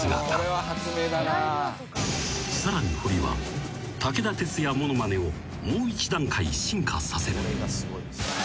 ［さらにホリは武田鉄矢ものまねをもう一段階進化させる］